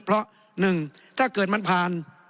เพราะ๑ถ้าเกิดมันผ่าน